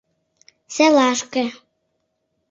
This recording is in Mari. — Селашке.